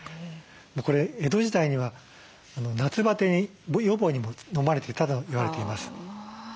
これ江戸時代には夏バテ予防にも飲まれてたと言われています。